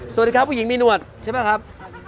สวัสดีครับผู้หญิงมีหนวดใช่ป่ะครับ